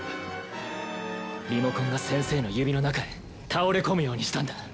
リモコンが先生の指の中へ倒れ込むようにしたんだ。